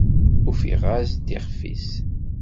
Ufiɣ-as-d iɣef-is!